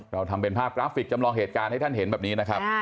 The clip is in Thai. เราทำเป็นภาพกราฟิกจำลองเหตุการณ์ให้ท่านเห็นแบบนี้นะครับ